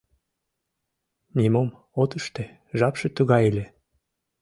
Нимом от ыште, жапше тугай ыле...